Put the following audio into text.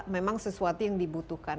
memang sesuatu yang dibutuhkan